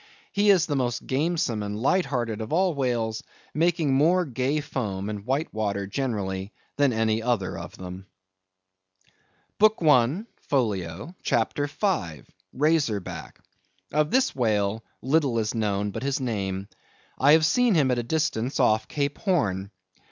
He is the most gamesome and light hearted of all the whales, making more gay foam and white water generally than any other of them. BOOK I. (Folio), CHAPTER V. (Razor Back).—Of this whale little is known but his name. I have seen him at a distance off Cape Horn.